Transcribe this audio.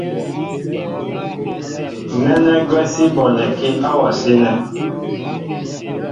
Nɛ́nɛ́ gwɛ́ sí bonɛkí áwasí nɛ̄.